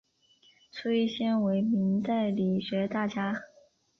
崔铣为明代理学大家。